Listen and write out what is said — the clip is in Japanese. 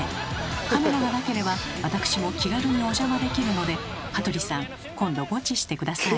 カメラがなければ私も気軽にお邪魔できるので羽鳥さん今度ゴチして下さい。